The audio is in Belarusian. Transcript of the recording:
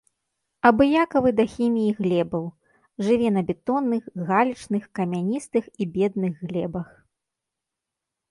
Абыякавы да хіміі глебаў, жыве на бетонных, галечных, камяністых і бедных глебах.